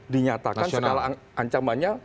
dinyatakan skala ancamannya